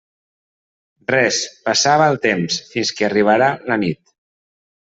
Res: passava el temps, fins que arribara la nit.